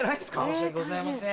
申し訳ございません。